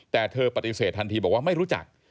แต่เธอปฏิเสธทันทีบอกว่าไม่รู้จัก